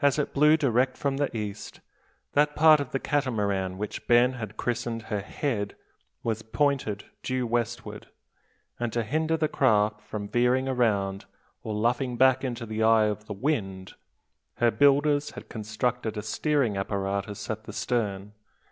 As it blew direct from the east, that part of the Catamaran which Ben had christened her head was pointed due westward; and to hinder the craft from veering round, or luffing back into the eye of the wind, her builders had constructed a steering apparatus at the stern.